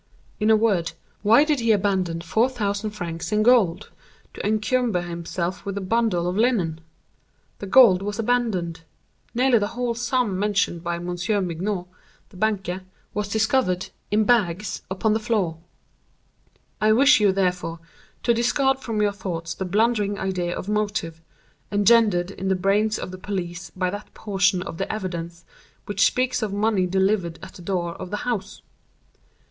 In a word, why did he abandon four thousand francs in gold to encumber himself with a bundle of linen? The gold was abandoned. Nearly the whole sum mentioned by Monsieur Mignaud, the banker, was discovered, in bags, upon the floor. I wish you, therefore, to discard from your thoughts the blundering idea of motive, engendered in the brains of the police by that portion of the evidence which speaks of money delivered at the door of the house.